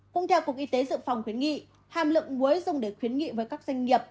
cũng theo cục y tế dự phòng khuyến nghị hàm lượng muối dùng để khuyến nghị với các doanh nghiệp